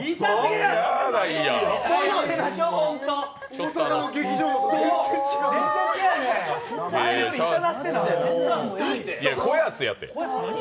いや、子安やて。